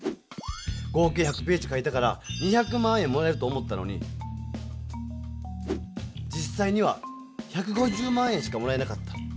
合計１００ページかいたから２００万円もらえると思ったのに実さいには１５０万円しかもらえなかった。